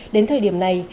đến thời điểm này